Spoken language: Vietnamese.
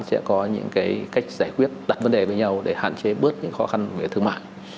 sẽ có những cách giải quyết đặt vấn đề với nhau để hạn chế bớt những khó khăn về thương mại